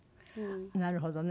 なるほどね。